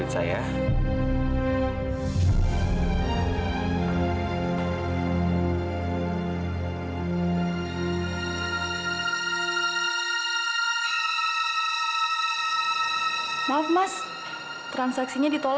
ibu gak usah khawatir